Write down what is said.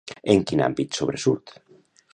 En quin àmbit sobresurt?